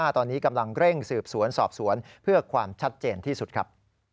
ตอนนี้กำลังเร่งสืบสวนสอบสวนเพื่อความชัดเจนที่สุดครับ